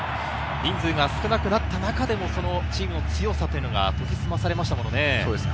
人数が少なくなった中でも、チームの強さが研ぎ澄まされましたもんね。